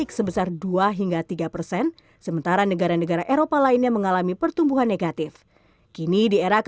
presiden anda menyebutkan uni eropa dan juga menyebutkan china